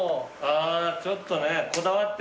あぁちょっとねこだわってる。